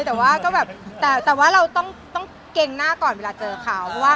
แต่ว่าเราต้องเกร็งหน้าก่อนเวลาเจอเขา